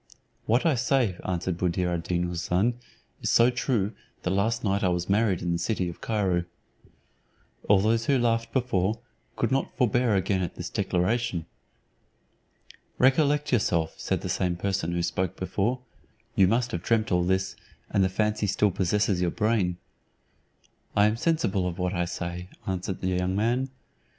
"What I say," answered Buddir ad Deen Houssun, "is so true that last night I was married in the city of Cairo." All those who laughed before, could not forbear again at this declaration. "Recollect yourself," said the same person who spoke before; "you must have dreamt all this, and the fancy still possesses your brain." "I am sensible of what I say," answered the young man.